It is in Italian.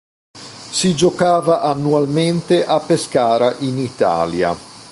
Si giocava annualmente a Pescara in Italia.